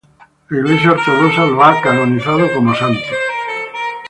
La Iglesia ortodoxa lo ha canonizado como santo.